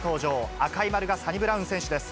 赤い丸がサニブラウン選手です。